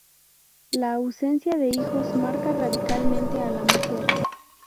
La ausencia de hijos marca radicalmente a la mujer.